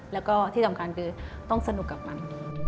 แล้วก็ที่สำคัญคือต้องสนุกกับมัน